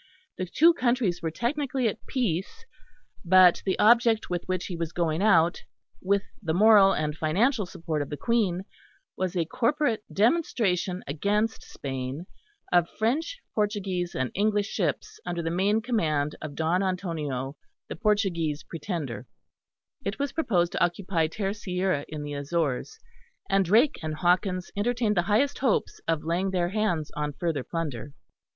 The two countries were technically at peace, but the object with which he was going out, with the moral and financial support of the Queen, was a corporate demonstration against Spain, of French, Portuguese, and English ships under the main command of Don Antonio, the Portuguese pretender; it was proposed to occupy Terceira in the Azores; and Drake and Hawkins entertained the highest hopes of laying their hands on further plunder.